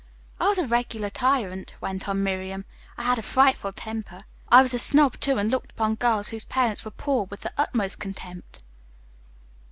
"I was a regular tyrant," went on Miriam. "I had a frightful temper. I was a snob, too, and looked upon girls whose parents were poor with the utmost contempt."